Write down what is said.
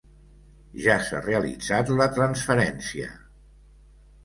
Ja s'ha realitzat la transferència.